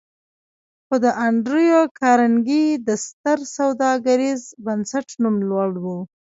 خو د انډريو کارنګي د ستر سوداګريز بنسټ نوم لوړ و.